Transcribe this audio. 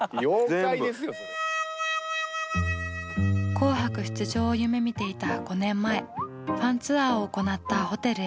「紅白」出場を夢みていた５年前ファンツアーを行ったホテルへ。